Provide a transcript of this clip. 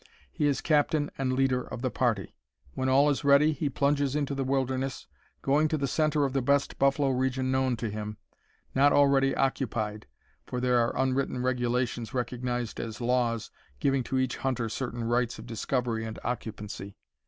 He is captain and leader of the party. When all is ready, he plunges into the wilderness, going to the center of the best buffalo region known to him, not already occupied (for there are unwritten regulations recognized as laws, giving to each hunter certain rights of discovery and occupancy).